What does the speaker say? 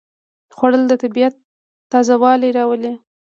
خوړل د طبیعت تازهوالی راولي